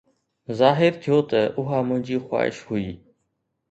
ظاهر ٿيو ته اها منهنجي خواهش هئي.